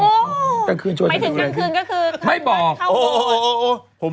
หมายถึงกลางคืนก็คือ